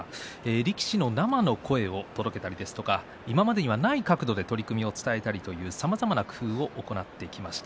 力士の生の声を届けたりですとか今までにない角度で取組を伝えたりとさまざまな工夫を行ってきました。